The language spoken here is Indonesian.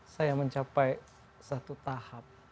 saya mencapai satu tahap